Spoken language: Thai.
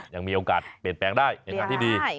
ยังมีโอกาสเปลี่ยนแปลงได้ในงานที่ดี